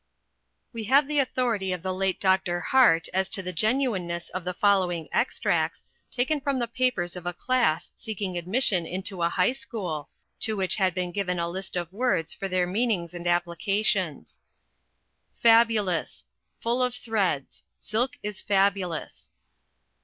We have the authority of the late Dr. Hart as to the genuineness of the following extracts, taken from the papers of a class seeking admission into a high school, to which had been given a list of words for their meanings and applications: Fabulous Full of threads: Silk is fabulous.